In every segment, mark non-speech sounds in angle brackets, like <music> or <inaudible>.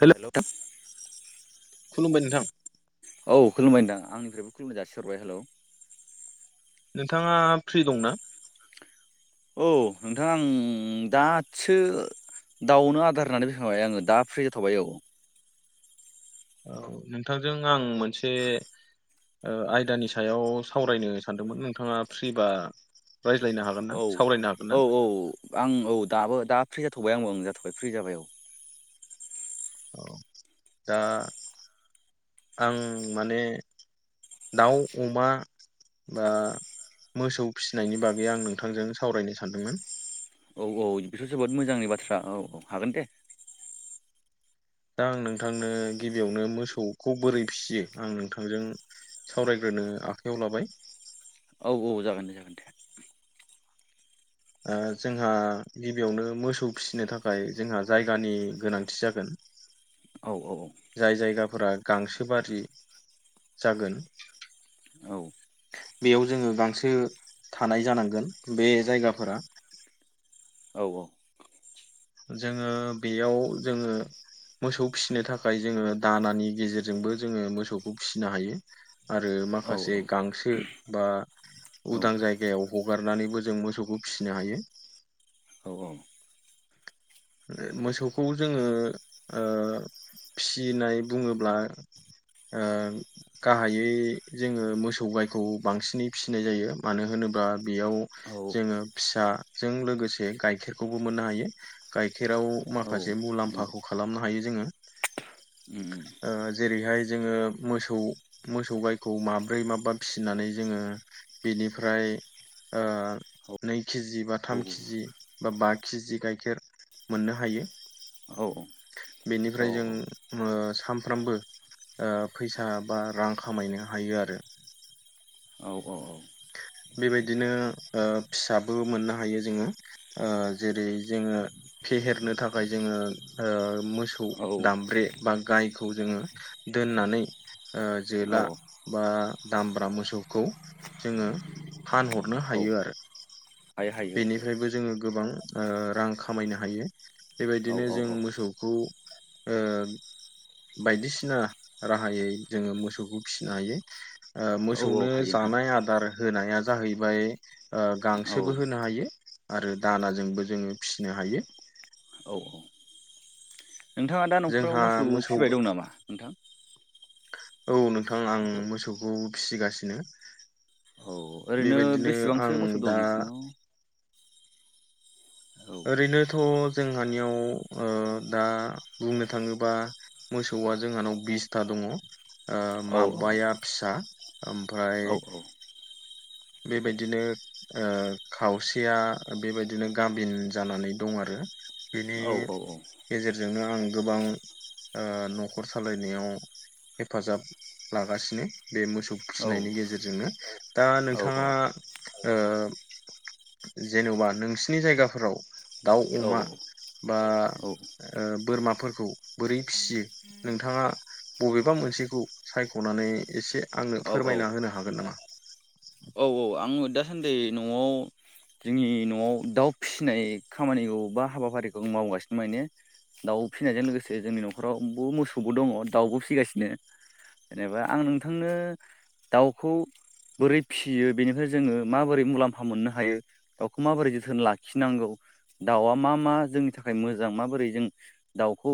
हेल' hello खुलुमबाय नोंथां। औ खुलुमबाय नोंथां आंनिफ्रायबो खुलुमनाय जासिहरबाय हेलौ नोंथाङा फ्रि दंना औ नोंथां आं दासो दाउनो आदार होनानै फैखांबाय आङो दा फ्रि जाथ'बाय औ। औ नोंथांजों आं मोनसे आयदानि सायाव सावरायनो सानदोंमोन नोंथाङा फ्रि बा औ औ औ आं औ दाबो दा फ्रि जाथ'बाय आंबो जाथ'बाय फ्रि जाबाय औ। औ दा आं माने दाउ अमा, बा मोसौ फिसिनायनि बागै आं नोंथांजों सावरायनो सानदोंमोन। औ बेथ' जोबोद मोजांनि बाथ्रा औ औ हागोन दे। दा आं नोंथांनो गिबियावनो मोसौखौ बोरै फिसियो आं नोंथांजों सावरायग्रो नो आखयाव लाबाय। औ औ जागोन दे जागोन दे। जोंहा गिबियावनो मोसौ फिसिनो थाखाय जोंहा जायगानि गोनांथि जागोन। <unintelligible> औ औ जाय जायगाफोरा गांसो बारि जागोन। औ बेयाव जोङो गांसो थानाय जानांगोन बे जायगाफोरा औ औ जोङो बेयाव जोङो मोसौ फिसिनो थाखाय जोङो दानानि गेजेरजोंबो जोङो मोसौखौ फिसिनो हायो। आरो औ माखासे गांसो बा औ उदां जायगायाव हगारनानैबो जों मोसौखौ फिसिनो हायो। औ औ। मोसौखौ जोङो ओ। फिनाय बुङोब्ला ओ गाहायै जोङो मोसौ गायखौ बांसिनै फिसिनाय जायो मानो होनोब बा बेयाव जोङो फिसाजों लोगोसे गाइखेरखौबो मोननो हायो। गाइखेराव औ माखासे नंगौ मुलाम्फाखौ खालामनो हायो जोङो। उम ओ जेरैहाय जोङो मोसौ मोसौ गायखौ माब्रै माबा फिसिनानै जोङो बिनिफ्राय ओ औ नै केजि बा थाम केिजि बा बा केजि गाइखेर मोननो हायो। औ औ बेनिफ्राय जों ओ सानफ्रोमबो ओ फैसा बा रां खामायनो हायो आरो। औ औ औ। बेबायदिनो ओ फिसाबो मोननो हायो जोङो जेरै जोङो फेहेरनो थाखाय जोङो ओ मोसौ दामब्रे बा गायखौ जोङो दोननानै ओ औ जोला बा दामब्रा मोसौखौ जोङो फानहरनो औ हायो आरो हायो हायो औ हायो बेनिफ्रायबो जोङो गोबां ओ रां खामायनो हायो औ औ बेबायदिनो जों औ मोसौखौ ओ बायदिसिना राहायै जोङो मोसौखौ फिसिनो हायो। ओ औ मोसौनो औ हायो नोंथां जानाय आदार होनाया जाहैबाय। औ गांसोबो होनो हायो आरो दानाजोंबो जोङो फिसिनो हायो। औ नोंथाङा दा न'खराव मोसौ फिबाय दं नामा नोंथां? औ नोंथां आं न'खराव मोसौखौ फिसिगासिनो। औ ओरैनो बेबायदिनो बेसेबांसो आं मोसौ दं दा नोंसिनाव औ ओरैनोथ' जोंहानियाव ओ दा बुंनो थाङोबा मोसौआ जोंहानाव बिसथा दं। दङ आ औ माबाया फिसा औ ओमफ्राय बेबायदिनो ओ खावसेया बेबायदिनो गाबिन जानानै दं आरो। बेनि औ औ गेजेरजोंनो आं गोबां न'खर सालायनायाव हेफाजाब लागासिनो। बे मोसौ औ फिसिनायनि गेजेरजोंनो दा नोंथाङा औ ओ। जेनेबा नोंसिनि जायगाफोराव दाउ औ अमा बा ओ बोरमाफोरखौ बोरै फियो नोंथाङा बबेबा मोनसेखौ सायख'नानै एसे आंनो औ फोरमायना होनो हागोन नामा। औ औ आङो दासान्दि न'आव जोंनि न'आव दाउ फिसिनाय खामानिखौ बा हाबाफारिखौ आं मावगासिनो माने दाउ फिसिनायजों लोगोसे जोंनि न'खरावबो मोसौबो दङ दाउबो फिगासिनो जेनेबा आं नोंथांनो दाउखौ बोरै फियो बेनिफ्राय जोङो माबोरै मुलाम्फा मोननो हायो दाउखौ माबोरै जोथोन लाखिनांगौ। दाउआ मा मा जोंनि थाखाय मोजां माबोरै जों दाउखौ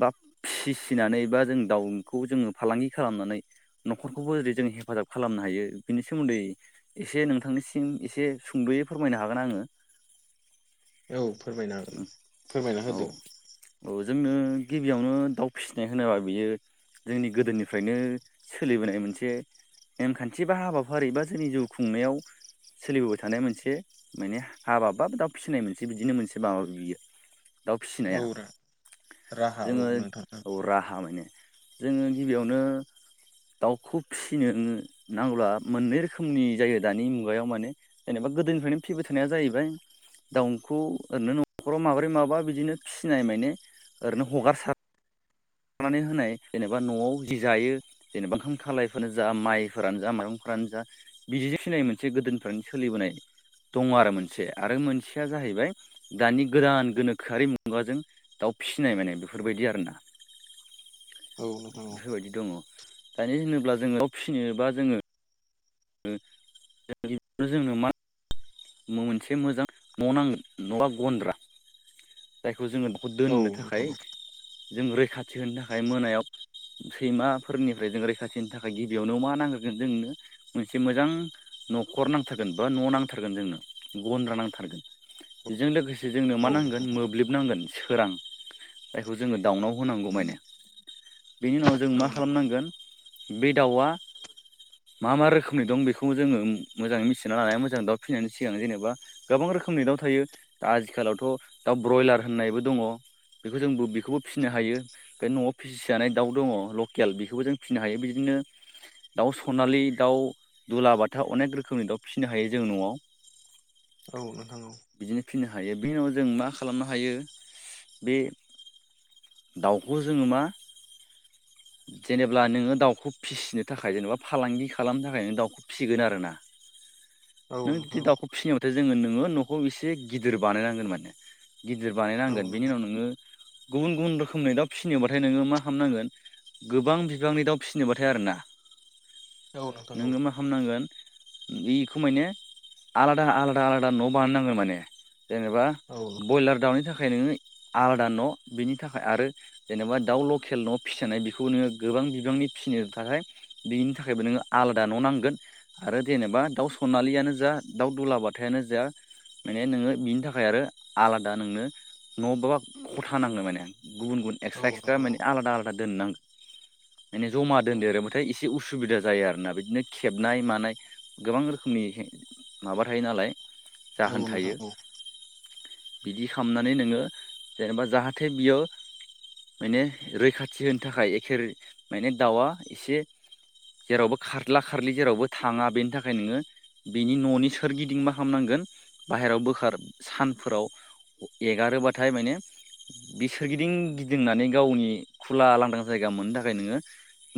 बा फिसिनानै बा जों दाउखौ जोङो फालांगि खालामनानै न'खरखौबो जेरै जों हेफाजाब खालामनो हायो बिनि नि सोमोन्दै एसे नोंथांनिसिम एसे सुंद'यै फोरमायनो हागोन आङो। औ फोरमायनो हागोन फोरमायना औ होदो। औ जोंनो गिबियावनो दाउ फिसिनाय होनोबा बियो जोंनि गोदोनिफ्रायनो सोलिबोनाय मोनसे नेमखान्थि बा हाबा फारि बा जोंनि जिउ खुंनायाव सोलिबोबाय थानाय मोनसे माने हाबा बा दाउ फिसिनाय मोनसे बिदिनो मोनसे माबा बियो दाउ औ फिसिनाया राहा औ जोङो नोंथां औ राहा माने जोङो गिबियावनो दाउखौ फिसिनो नांब्ला मोननै रोखोमनि जायो दानि मुगायाव माने जेनेबा गोदोनिफ्रायनो फिबाय थानाया जाहैबाय दाउखौ ओरैनो न'खराव माबोरै माबा बिदिनो फिनाय माने ओरैनो हगारसार नानै होनाय जेनेबा न'आव जि जायो जेनेबा ओंखाम खालायफ्रानो जा माइफोरानो जा माइरंफोरा फोरानो जा बिदिजों सिनाय मोनसे गोदोनिफ्रानो सोलिबोनाय दङ आरो मोनसे आरो मोनसेया जाहैबाय दानि गोदान गोनोखोआरि मुगाजों दाउ फिसिनाय माने बेफोरबायदि आरो ना। औ नोंथां औ बेफोरबायदि दङ दानो होनोब्ला जोङो फिसिनोबा जोङो जोंनो मा मोनसे मोजां न' नांग न'आ गन्द्रा जाय खौ जोङो बेखौ औ दोननो थाखाय नोंथां जों रै खाथि होनो थाखाय मोनायाव सैमाफोरनिफ्राय जों रैखाथि होनो थाखाय गिबियावनो मा नांग्रोगोन जोंनो मोनसे मोजां न'खर नांथारगोन बा न' <unintelligible> <unintelligible> गन्द्रा नांथारगोन बेजों लोगोसे जोंनो औ मा नांगोन नोंथां मोब्लिब नांगोन। सोरां जायखौ जोङो दाउनाव होनांगौ माने बेनि उनाव जों औ मा खालामनांगोन बे दाउआ मा मा रोखोमनि दं बेखौ जोङो मोजाङै मिथिना लानाया मोजां दाउ। फिनायनि सिगां जेनेबा गोबां रोखोमनि दाउ थायो आथिखालावथ' दाउ ब्रयलार होननायबो दङ। बेखौ जोंबो बेखौबो फिसिनो हायो बे न'आव फिसिजानाय दाउ दङ लकेल बेखौबो जों फिसिनो हायो बिदिनो बिदिनो दाउ सनालि दाउ दुलाबाथा अनेक रोखोमनि दाउ फिसिनो हायो जों न'आव। औ नोंथां औ। बिदिनो फिसिनो हायो बेनि उनाव जों मा खालामनो हायो बे दाउखौ जोङो मा <unintelligible> जेनेब्ला नोङो दाउखौ फिसिनो थाखाय जेनेबा फालांगि खालामनो थाखाय नों दाउखौ फिसिगोन आरो ना। <unintelligible> नों नोंथां जुदि औ दाउखौ फिसिनायबाथाय जोङो नोङो न'खौ एसे गिदिर बानायनांगोन माने गिदिर औ बानायनांगोन बिनि नोंथां उनाव नोङो गुबुन गुबुन रोखोमनि दाउ फिसिनोबाथाय नोङो मा खालामनांगोन गोबां बिबांनि दाउ फिसिनोबाथाय आरोना। औ नोंथां औ नों मा खालामनांगोन बेखौ मायने आलादा आलादा आलादा न' बानाय नांगोन माने जेनेबा औ ब्रयलार दाउनि थाखाय नोङो आलादा न' बिनि थाखाय आरो जेनेबा दाउ लकेल न' फिसिनाय बेखौ नोङो गोबां बिबांनिि फिनो थाखाय बेनि थाखायबो नोङो आलादा न' नांगोन आरो जेनेबा दाउ सनालियानो जा दाउ दुलाबाथायानो जा माने नोङो बिनि थाखाय आरो आलादा नोंनो न' बाबा खथा नाङो माने आ गुबुन -गुबुन नोंथां औ एकस्रा एकस्रा नोंथां मानि आदा आलादा दोननांगौ माने जमा औ दोनदेरोबाथाय एसे उसुबिदा जायो आरोना बिदिनो खेबनाय मानाय गोबां रोखोम रोखोमनि माबा थायो नालाय जाहोन औ नोंथां थायो औ बिदि खालामनानै नोङो जेनेबा जाहाथे बियो माने रैखाथि होनो थाखाय एखे माने दाउआ एसे जेरावबो खारला खारलि जेरावबो थाङा बेनि थाखाय नोङो बेनि न'नि सोरगिदिं मा खालामनांगोन बाहेरायाव बोखार सानफोराव एगारोब्लाथाय माने बे सोरगिदिं गिदिंनानै गावनि खुला लांदां जायगा मोननो थाखाय नोङो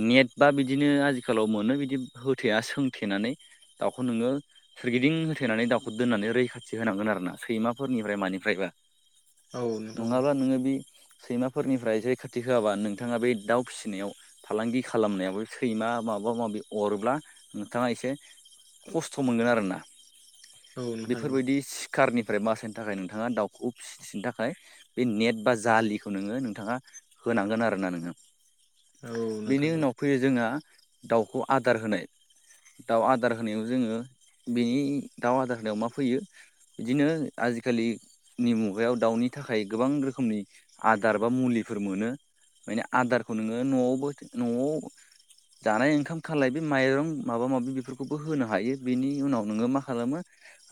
नेट बा बिदिनो आजिखालाव मोनो बिदि होथेया सोंथेनानै दाउखौ नोङो सोरगिदिं होथेनानै दाउखौ दोननानै रैखाथि होनांगोन आरो ना सैमाफोरनिफ्राय मानिफ्रायबा औ नोंथां औ नङाबा नोङो बि सैमाफोरनिफ्राय जेरै खाथि होआबा नोंथाङा बे दाउ फिसिनायाव फालांगि खालामनायाव सैमा माब माबा - माबि अरोबब्ला नोंथाङा एसे खस्थ' सम मोनगोन आरोना नोंथां बेफोरबायदि सिखारनि ओमफ्राय मासासनो थाखाय नोंथाङा दाउखौ फिसिनो थाखाय बे नेट बा जाालिखौ नोङो नोंथाङा हो होनांगोन आरोना नोङो औ बिनि नोंथां उनाव फैयो जोङो दाउखौ आदार होनाय दाउ आदार होनायाव जोङो बिनि दाउ आदार होनायाव मा फैयो बिदिनो आजिखालिनि मुगायाव दाउ दावनि थाखाय गोबां रोखोमनि आदार बा मुलिफोर मोनो माने आदारखौ नोङो न'आवबो न'आव जानाय ओंखाम खालाय बे माइरं माबा - माबि बेफोरखौबो होनो हायो बिनि उनाव नोङो मा खालामो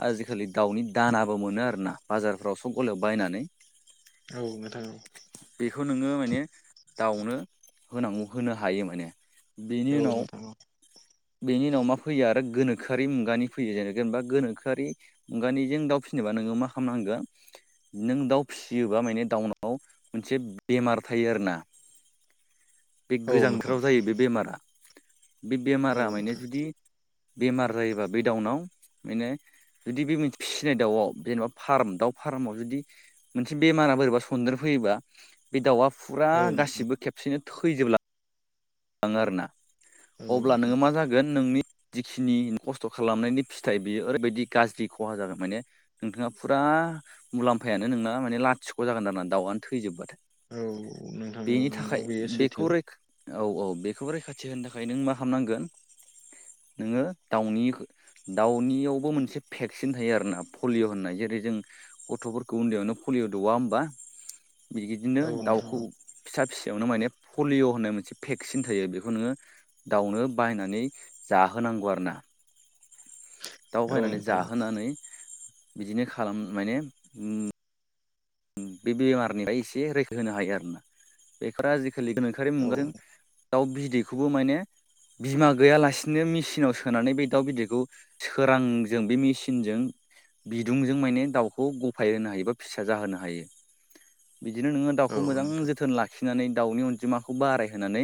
आजिखालि दाउनि दानाबो मोनो आरोना बाजारफ्राव सब गल औ नोंथां बेखौ नो माने दाउनो होनांगौ होनो हायो माने बेनि औ उनाव नोंथां बेनि उनाव मा फैयो आरो गोनोआरि मुगानि फैयो जेने जेनेबा गोनोआरि मुगानिजों दा फिसिनोबा नोङो मा खालामनांगोन नों दाउ फिसियोबा माने दाउनाव मोनसे बेमार थायो आरोना <unintelligible> बे औ नोंथां औ गोजां नोंथां बोथोराव जायो बे बेमारा बे बेमारा माने जुदि बेमार जायोबा बे डाउनाव माने जुदि बे मोन फिसिनाय दाउआव जेनबा फाराम दाउ फारामाव जुदि मोनसे बेमारा बोरैबा सन्देर फै थैबा बे दाउआ फुरा औ नोंथां औ गासिबो खेबसेनो थैजोबला थाङो आरो ना अब्ला नोङो नोंथां मा जागोन नोंनि जिखिनि खस्थ खालामनायनि फिथाइ बेयो ओरैबायदि गाज्रि खहा जागोन माने नोंथाङा फुरा आ मुलाम्फायानो नोंना माने लाथिख' जागोन दामा दाउआनो थैजोबबाथाय औ नोंथां औ बेनि नंगौ थाखाय बेयो सैथो बेखौ रै औ - औ बेखौबो रैखाथि होनो थाखाय नों मा खालामनांगोन नोङो दाउनिखो दाउनियावबो मोनसे फेक्सिन थायो आरोना पलिअ होननाय जेरै जों गथफोरखौ उन्दैयावनो पलिअ दौवा होमबा <inaudible> बिगिदिनो औ नोंथां दाउखौ औ फिसा - फिसायावनो माने पलिअ होननाय मोनसे फेक्सिन थायो बेखौ नोङो दाउनो बायनानै जाहोनांगौ आरो ना दाव औ बायनानै नोंथां जाहोनानै बिदिनो खालाम माने ओम बे बेमारनिफाय एसे रैखा होनो हायो आरोना बेफोरो आजिखालि गोनोखोयारि औ मुगाजों दाउ बिदैखौबो मायने बिमा गैयालासिनो मेचिनाव सोनानै बे दाउ बिदैखौ सोरांजों बे मेचिनजों बिदुंजों मायने दाउखौ गफाय होनो हायो बा फिसा जाहोनो हायो। बिदिनो नोंङो औ दाउखौ मोजां नोंथां जोथोन लाखि नानै दाउनि अनजिमाखौ बारायहोनानै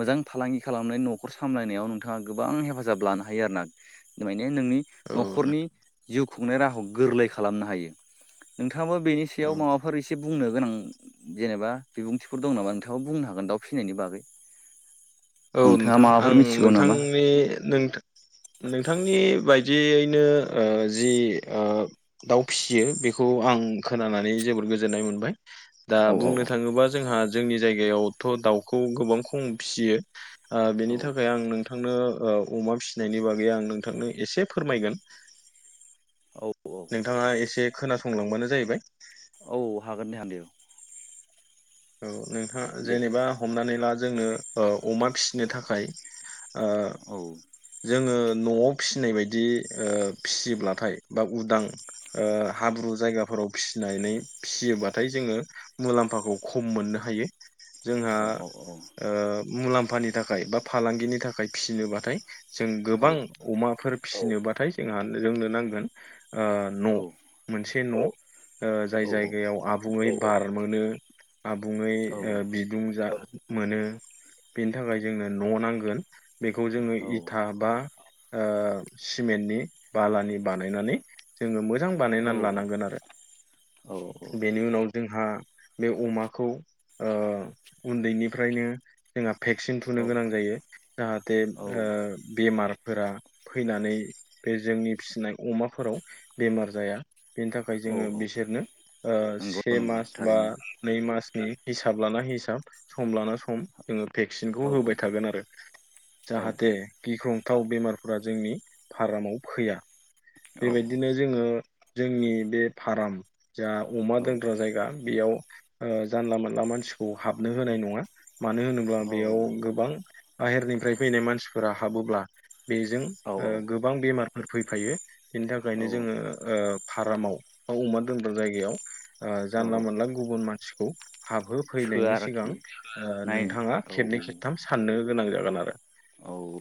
मोजां फालांगि खालामनो नखर सामलायनायाव नोंथांङा गोबां हेफाजाब लानो हायो आरो ना नोंनि औ नोंथां नखरनि जिउ खुंनाय राहाखौ गोरलै खालामनो हायो नोंथो नोंथांङाबो बेनि सायाव औ माबा एसे बुंनो गोनां जेनेबा बिबुंथिफोर दं नामा? नोंथांङाबो बुंनो हागोन दाउ फिनायनि बागै <inaudible> औ नोंथाङा नोंथां माबाफोर आं मिथिगौ नामा नोंथांनि नोंथा नोंथांनि बाय दियैनो ओ जि ओ दाउ फिसियो बेखौ आं खोनानानै जोबोद गोजोन्नाय मोनबाय दा औ बुंनो थांङोबा जोंहा जोंनि जायगायावथ' दाउखौ गोबां खम फिसियो ओ औ बेनि थाखाय आं नों नोंथांनो अमा फिसिनायनि बागै आं नोंथांनो एसे फोरमायगोन औ नोंथांङा एसे खोनासंलांबानो जायैबाय औ हागोन दे हानदे औ नोंथां जेनेबा हमनानै ला जोंनो ओ अमा फिसिनो थाखाय ओ औ दे औ जोंङो न'आव फिनाय बायदि ओ फियोब्लाथाय बा उदां ओ हाब्रु जायगाफोर फ्राव फिनायनै फियोबाथाय जोंङो मुलाम्फाखौ खम मोननो हायो जोंहा औ ओ मुलाम्फानि थाखाय बा फालांगिनि थाखाय फियोबाथाय जों औ गोबां अमाफोर फिसिनोबाथाय जोंहा जोंनो नांगोन ओ न' औ मोनसे न' ओ औ जाय जायगायाव आबुंङै बार मोनो आबुंङै औ ओ बिदुं जा मोनो बेनि थाखाय जोंनो न' नांगोन बेखौ जोंङो इटा औ बा ओ सिमेन्टनि बालानि बानायनानै जोंङो मोजां बानायनानै औ लानांगोन आरो बेनि उनाव जोंहा बे अमाखौ ओ उन्दैनिफ्रायनो जोंहा भेक्सिन थुनो गोनां जायो जाहाथे औ ओ बेमार फोरा फैनानै बे जोंनि फिसिनाय अमाफोराव बेमार जाया बेनि थाखाय जोंङो औ बिसोरनो ओ नंगौ से नंगौ मास बा थारैनो नै मासनि हिसाब लाना हिसाब सम लाना सम जोंङो भेक्सिनखौ औ औ होबाय थागोन आरो औ जाहाथे गिख्रं थाव बेमारफोरा जोंनि फारामाव फैया औ बेबायदिनो जोंङो जोंनि बे फाराम जा अमा दोनग्रा जायगा बेयाव ओ जानला मोनानला मानसिखौ हाबनो होनाय नंङा मानो होनोब्ला औ बेयाव गोबां बाहेरनिफ्राय फैनाय मानसिफोरा हाबोब्ला बेजों ओ गोबां बेमार फैफायो बेनि औ थाखायनो जोंङो ओ फारामाव बा अमा दोनग्रा जायगायाव ओ औ जानला मोनला गुबुन मानसिखौ सोआ हाबहोफैनायनि सिगां आरोखि ओ नाय नोंथांङा औ खेबनै खेबथाम साननो गोनां जागोन आरो औ